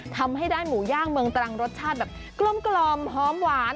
ทำให้ได้หมูย่างเมืองตรังรสชาติแบบกลมหอมหวาน